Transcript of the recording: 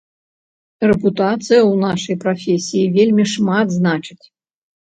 Рэпутацыя ў нашай прафесіі вельмі шмат значыць.